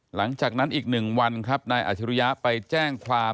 หลังจากนั้นอีกหนึ่งวันนายอธิริยะไปแจ้งความ